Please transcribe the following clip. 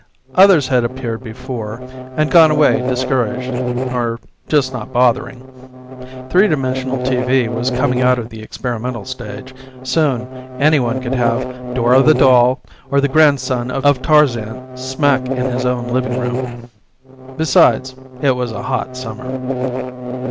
Others had appeared before, and gone away discouraged or just not bothering. 3 dimensional TV was coming out of the experimental stage. Soon anyone could have Dora the Doll or the Grandson of Tarzan smack in his own living room. Besides, it was a hot summer.